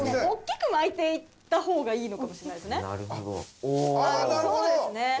おっきくまいていったほうがいいのかもしれないですね。